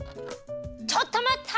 ちょっとまった！